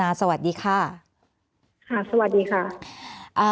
แอนตาซินเยลโรคกระเพาะอาหารท้องอืดจุกเสียดแสบร้อน